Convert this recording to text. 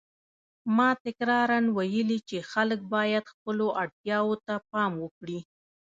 ما تکراراً ویلي چې خلک باید خپلو اړتیاوو ته پام وکړي.